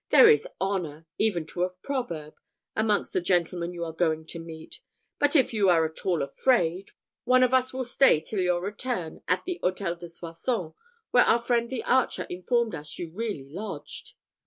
"There is honour, even to a proverb, amongst the gentlemen you are going to meet; but if you are at all afraid, one of us will stay till your return, at the Hôtel de Soissons, where our friend the archer informed us you really lodged."